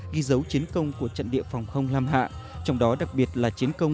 ghi dấu chiến công của trận địa phòng không lam hạ trong đó đặc biệt là chiến công